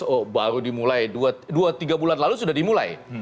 oh baru dimulai dua tiga bulan lalu sudah dimulai